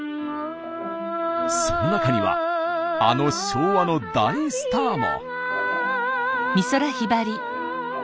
その中にはあの昭和の大スターも。